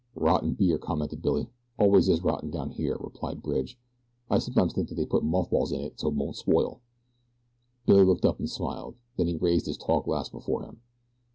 "Rotten beer," commented Billy. "Always is rotten down here," replied Bridge. "I sometimes think they put moth balls in it so it won't spoil." Billy looked up and smiled. Then he raised his tall glass before him.